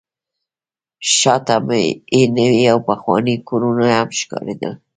شاته یې نوي او پخواني کورونه هم ښکارېدل.